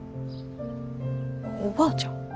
おばあちゃん？